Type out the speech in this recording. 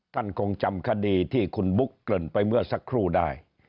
ท่านคงจำคดีที่คุณบุ๊กเกริ่นไปเมื่อสักครู่ได้